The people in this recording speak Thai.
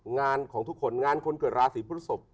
งานของทุกคนงานคนเกิดราศีพฤศพ